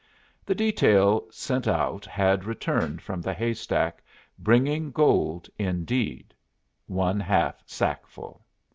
The detail sent out had returned from the hay stack, bringing gold indeed one half sackful.